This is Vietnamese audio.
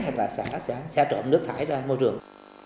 hay là xả trộn nước thải ra môi trường